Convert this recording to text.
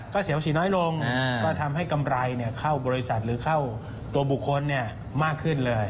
ก็เสียภาษีน้อยลงก็ทำให้กำไรเข้าบริษัทหรือเข้าตัวบุคคลมากขึ้นเลย